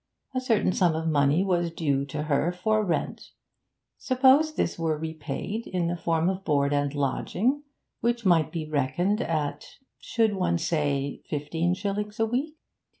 A certain sum of money was due to her for rent; suppose this were repaid in the form of board and lodging, which might be reckoned at should one say, fifteen shillings a week?